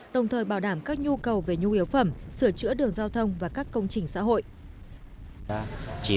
đồng thời bảo đảm các nhu cầu về nhu yếu phẩm sửa chữa đường giao thông và các công trình xã hội